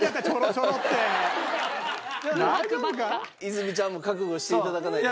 泉ちゃんも覚悟して頂かないと。